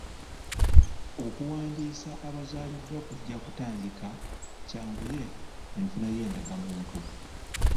Okuwandiisa abazaaliddwa kujja kutandika kyanguye enfuna y'endagamuntu.